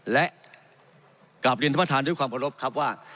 และกราบเรียนธรรมธานด้วยความประลบครับว่า